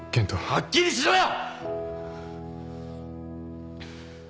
はっきりしろよ！